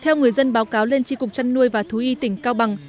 theo người dân báo cáo lên tri cục chăn nuôi và thú y tỉnh cao bằng